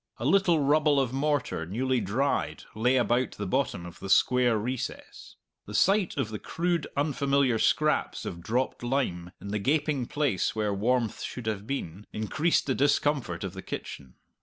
A little rubble of mortar, newly dried, lay about the bottom of the square recess. The sight of the crude, unfamiliar scraps of dropped lime in the gaping place where warmth should have been, increased the discomfort of the kitchen.